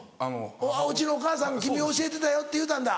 「うちのお母さんが君を教えてたよ」って言うたんだ。